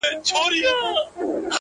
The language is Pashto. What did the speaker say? چي تلاوت وي ورته خاندي، موسيقۍ ته ژاړي.